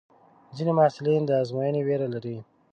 ځینې محصلین د ازموینې وېره لري.